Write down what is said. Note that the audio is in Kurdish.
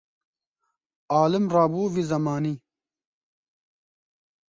Alim rabû vî zemanî